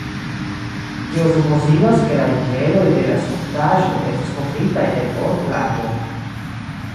Tio supozigas, ke la juveloj de la skulptaĵo estis kovritaj el or-plako.